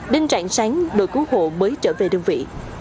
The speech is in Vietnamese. đến trạng sáng đội cứu hộ mới trở về đơn vị